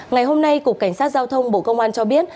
ngày hôm nay cục cảnh sát giao thông bộ công an cho biết